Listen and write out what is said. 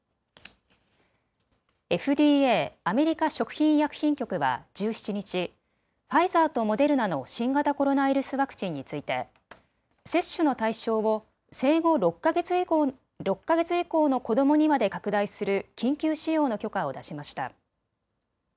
ＦＤＡ・アメリカ食品医薬品局は１７日、ファイザーとモデルナの新型コロナウイルスワクチンについて接種の対象を生後６か月以降の子どもにまで拡大する緊急使用の許可を出しました。